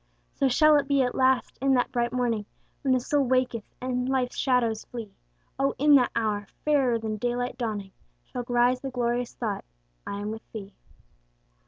So shall it be at last in that bright morning, When the soul waketh, and life's shadows flee; O in that hour, fairer than daylight dawning, Shall rise the glorious thought I am with Thee.